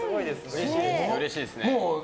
うれしいですね。